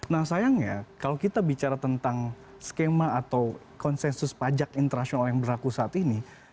nah sayangnya kalau kita bicara tentang skema atau konsensus pajak internasional yang berlaku saat ini